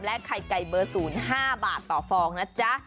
ไข่ไก่เบอร์๐๕บาทต่อฟองนะจ๊ะ